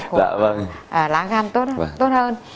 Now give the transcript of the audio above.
của lá gan tốt hơn